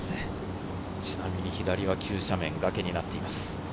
左は急斜面、崖になっています。